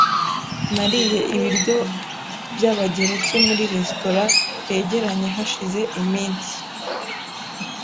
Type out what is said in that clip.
Nariye ibiryo by'Abagereki muri resitora yegeranye hashize iminsi.